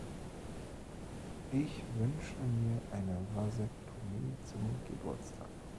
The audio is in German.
Ich wünsche mir eine Vasektomie zum Geburtstag.